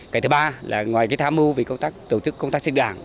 cái thứ ba là ngoài cái tham mưu về công tác tổ chức công tác xây dựng đảng